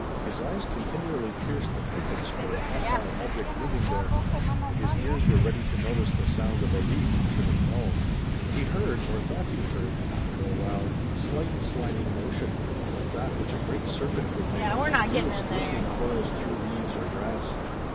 His eyes continually pierced the thickets for a hostile object moving there, and his ears were ready to notice the sound of a leaf should it fall. He heard, or thought he heard after a while, a slight sliding motion, like that which a great serpent would make as it drew its glistening coils through leaves or grass.